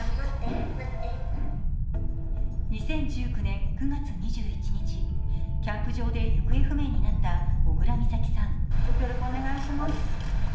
２０１９年９月２１日、キャンプ場で行方不明になった小倉美咲さん。